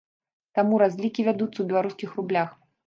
Таму разлікі вядуцца ў беларускіх рублях.